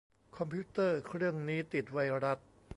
คอมพิวเตอร์เครื่องนี้ติดไวรัส